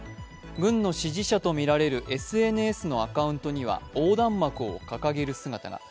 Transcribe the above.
軍の支持者とみられるＳＮＳのアカウントには横断幕を掲げる姿が。